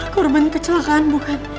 kehormatan kecelakaan bu kan